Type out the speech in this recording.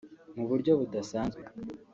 mu buryo budasanzwe